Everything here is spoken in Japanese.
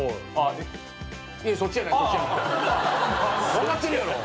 分かってるやろ。